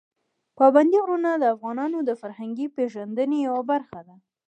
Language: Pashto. پابندي غرونه د افغانانو د فرهنګي پیژندنې یوه برخه ده.